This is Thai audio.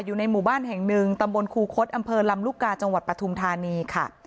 อยู่ในหมู่บ้านแห่งหนึ่งตำบลครูคดอำเภอลำลูกกาจังหวัดปฐุมธานีค่ะ